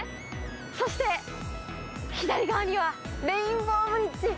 そして左側には、レインボーブリッジ。